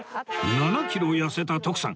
７キロ痩せた徳さん。